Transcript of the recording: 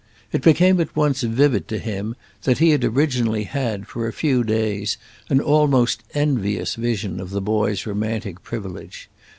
It became at once vivid to him that he had originally had, for a few days, an almost envious vision of the boy's romantic privilege.